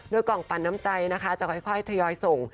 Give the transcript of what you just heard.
โดยกล่องปั่นน้ำใจนะคะจะค่อยทยอยส่ง